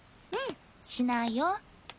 うんしないよ。